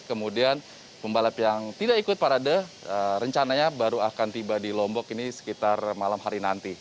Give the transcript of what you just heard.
kemudian pembalap yang tidak ikut parade rencananya baru akan tiba di lombok ini sekitar malam hari nanti